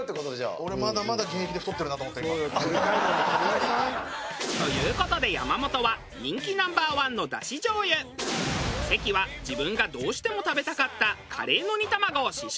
俺まだまだ現役で太ってるなと思った今。という事で山本は関は自分がどうしても食べたかったカレーの煮卵を試食。